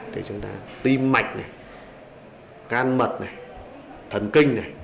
thì chúng ta tim mạch này can mật này thần kinh này